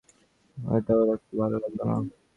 এটা ওর একটুও ভালো লাগল না।